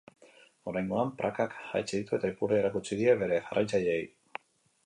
Oraingoan prakak jaitsi ditu eta ipurdia erakutsi die bere jarraitzaileei.